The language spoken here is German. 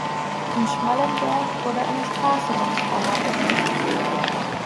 In Schmallenberg wurde eine Straße nach Spanner benannt.